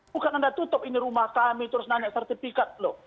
bukan anda tutup ini rumah kami terus nanya sertifikat loh